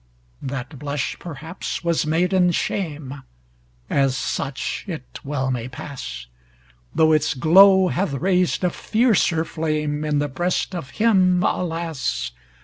That blush, perhaps, was maiden shame As such it well may pass Though its glow hath raised a fiercer flame In the breast of him, alas!